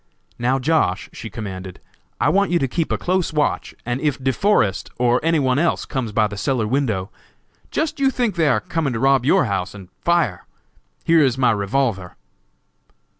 "Now, Josh.," she commanded, "I want you to keep a close watch, and if De Forest, or any one else comes by the cellar window, just you think they are coming to rob your house, and fire! Here is my revolver."